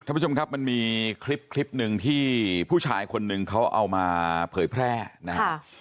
ท่านผู้ชมครับมันมีคลิปคลิปหนึ่งที่ผู้ชายคนหนึ่งเขาเอามาเผยแพร่นะครับ